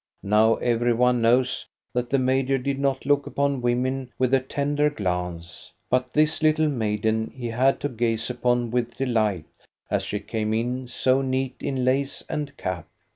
Now, every one knows that the major did not look upon women with a tender glance, but this little maiden he had to gaze upon with delight, as she came in so neat in lace and cap.